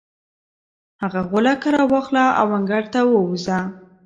هغه غولکه راواخله او انګړ ته ووځه.